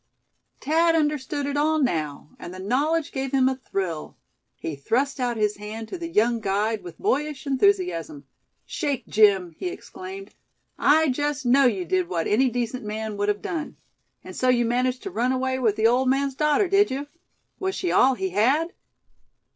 Thad understood it all now, and the knowledge gave him a thrill. He thrust out his hand to the young guide, with boyish enthusiasm. "Shake, Jim!" he exclaimed. "I just know you did what any decent man would have done. And so you managed to run away with the old man's daughter, did you? Was she all he had?"